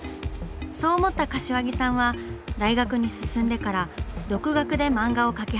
そう思った柏木さんは大学に進んでから独学で漫画を描き始めます。